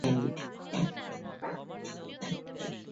ইহাই তত্ত্ববিচার ও দর্শনের দৃষ্টিভঙ্গী।